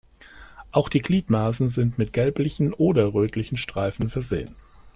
Auch die Gliedmaßen sind mit gelblichen oder rötlichen Streifen versehen.